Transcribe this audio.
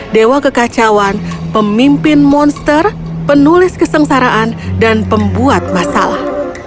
dewa kekacauan pemimpin monster penulis kesengsaraan dan pembuat masalah